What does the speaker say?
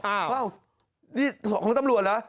อ้าวนี่ของตำรวจเหรอ